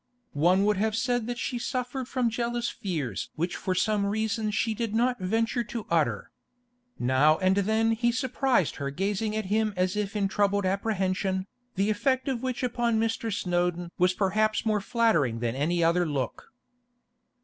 One would have said that she suffered from jealous fears which for some reason she did not venture to utter. Now and then he surprised her gazing at him as if in troubled apprehension, the effect of which upon Mr. Snowdon was perhaps more flattering than any other look.